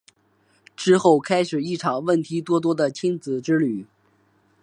之后开始一场问题多多的亲子之旅。